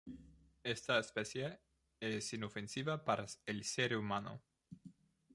Esta especie es inofensiva para el ser humano.